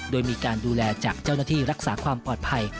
โดยมีการดูแลจากเจ้าหน้าที่รักษาความปลอดภัย